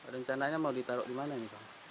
rencananya mau ditaruh dimana nih pak